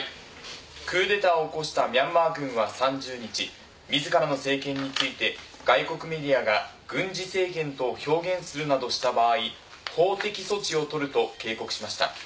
クーデターを起こしたミャンマー軍は３０日自らの政権について外国メディアが軍事政権と表現するなどした場合法的措置を取ると警告しました。